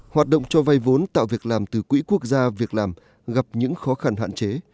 hoạt động cho vay vốn tạo việc làm từ quỹ quốc gia việc làm gặp những khó khăn hạn chế